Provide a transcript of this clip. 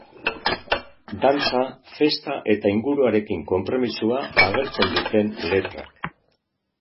Dantza, festa eta inguruarekin konpromisoa agertzen duten letrak.